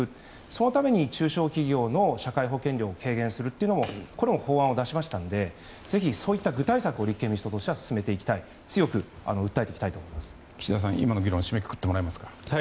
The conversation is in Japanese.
そのために中小企業の社会保険料を低減するというこれも法案を出しましたのでそういう具体策を立憲民主党としては進めていきたいと強く訴えていきたいと岸田さん、今の議論を締めくくっていただけますか。